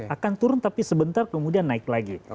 akan turun tapi sebentar kemudian naik lagi